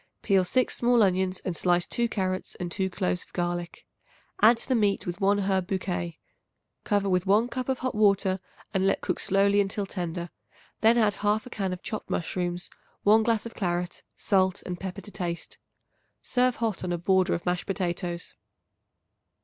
Peel 6 small onions and slice 2 carrots and 2 cloves of garlic. Add to the meat with 1 herb bouquet. Cover with 1 cup of hot water and let cook slowly until tender; then add 1/2 can of chopped mushrooms, 1 glass of claret, salt and pepper to taste. Serve hot on a border of mashed potatoes.